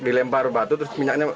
dilempar batu terus minyaknya